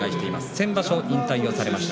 先場所、引退をされました。